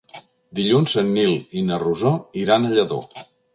Dilluns en Nil i na Rosó iran a Lladó.